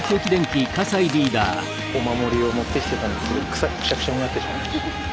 お守りを持ってきてたんですけどくしゃくしゃになってしまいました。